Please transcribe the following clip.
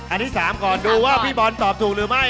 ที่๓ก่อนดูว่าพี่บอลตอบถูกหรือไม่